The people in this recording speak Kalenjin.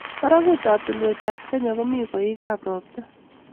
Barakutap tulwetap Kenya komi koikab ropta